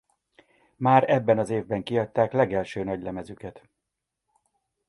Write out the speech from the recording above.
Már ebben az évben kiadták legelső nagylemezüket.